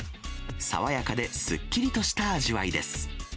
爽やかですっきりとした味わいです。